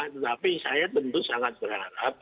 tetapi saya tentu sangat berharap